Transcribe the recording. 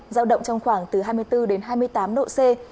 giao động trong khoảng từ hai mươi bốn đến hai mươi tám độ c